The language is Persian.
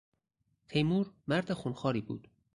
تیمور مرد خونخواری بود.